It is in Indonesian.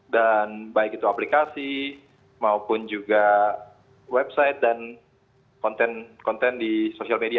dan baik itu aplikasi maupun juga website dan konten konten di social media